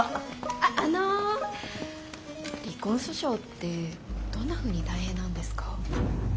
あっあの離婚訴訟ってどんなふうに大変なんですか？